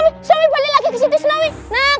ini buat sampah